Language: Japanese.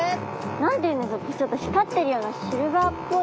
何て言うんでしょうちょっと光っているようなシルバーっぽい。